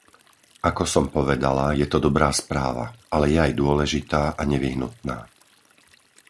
Ako som povedala, je to dobrá správa, ale je aj dôležitá a nevyhnutná.